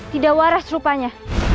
tidak waras rupanya